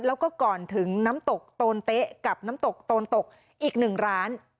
แล้วก็ก่อนถึงน้ำตกโตนเต๊ะกับน้ำตกโตนตกอีกหนึ่งร้าน